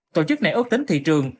tổ chức này ước tính thị trường